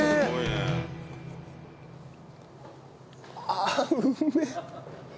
ああうめえ！